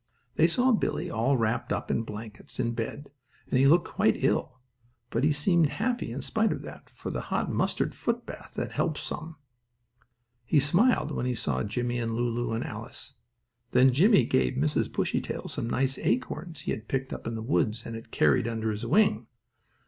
They saw Billie, all wrapped up in blankets, in bed, and he looked quite ill. But he seemed happy in spite of that, for the hot mustard footbath had helped him some. He smiled when he saw Jimmie and Lulu and Alice. Then Jimmie gave Mrs. Bushytail some nice acorns he had picked up in the woods and had carried under his wing.